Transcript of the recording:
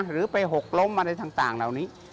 หรือไปหกล้มอะไรต่างเหล่านี้